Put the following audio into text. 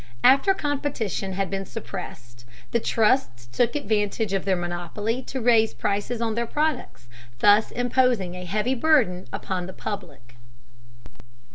After competition had been suppressed, the trusts took advantage of their monopoly to raise prices on their products, thus imposing a heavy burden upon the public.